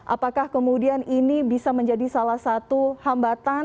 apakah kemudian ini bisa menjadi salah satu hal yang bisa diperlukan